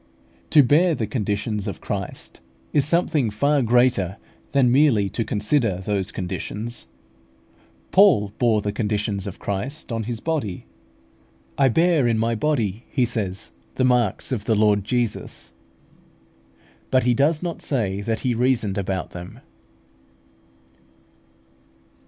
To bear the conditions of Christ is something far greater than merely to consider those conditions. Paul bore the conditions of Christ on his body. "I bear in my body," he says, "the marks of the Lord Jesus" (Gal. vi. 17). But he does not say that he reasoned about them.